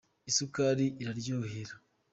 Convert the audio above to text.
isukari iraryohera